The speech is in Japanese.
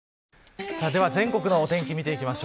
全国のお天気を見ていきます。